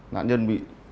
nạn nhân bị